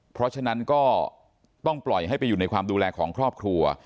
เพราะฉะนั้นก็ต้องปล่อยให้ไปอยู่ในความดูแลของครอบครัว